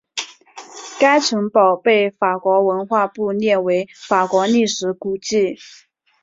该城堡被法国文化部列为法国历史古迹。